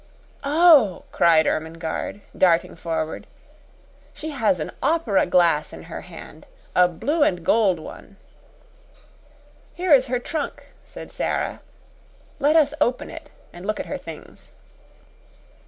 "Oh," cried Ermengarde, darting forward, "she has an opera glass in her hand a blue and gold one!" "Here is her trunk," said Sara. "Let us open it and look at her things."